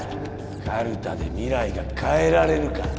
カルタで未来が変えられるか。